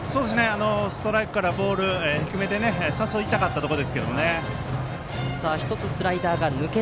ストライクからボール低めで誘いたかったところですけど。